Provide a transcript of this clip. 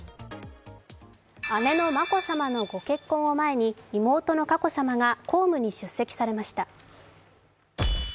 姉の眞子さまのご結婚を前に妹の佳子さまが公務に出席されました。